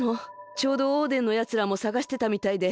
ちょうどオーデンのやつらもさがしてたみたいで。